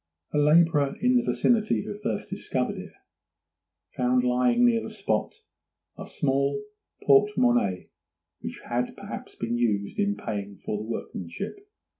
A labourer in the vicinity, who first discovered it, found lying near the spot a small porte monnaie, which had perhaps been used in paying for the workmanship.